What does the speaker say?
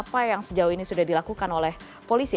apa yang sejauh ini sudah dilakukan oleh polisi